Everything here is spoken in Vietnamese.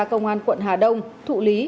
công an quận hà đông thụ lý